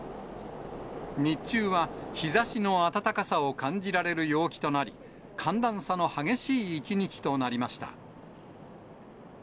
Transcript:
日中は日ざしの暖かさを感じられる陽気となり、寒暖差の激しい一日となりました。